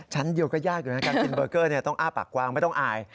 ชั้นเดียวก็ยากอยู่นะการกินเบอร์เกอร์ต้องอ้าปากกวางไม่ต้องอาย